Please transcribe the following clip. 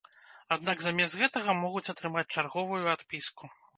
Аднак замест гэтага могуць атрымаць чарговую адпіску.